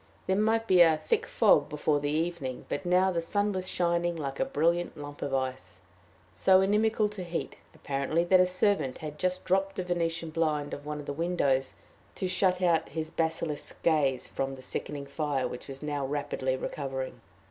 There might be a thick fog before the evening, but now the sun was shining like a brilliant lump of ice so inimical to heat, apparently, that a servant had just dropped the venetian blind of one of the windows to shut his basilisk gaze from the sickening fire, which was now rapidly recovering.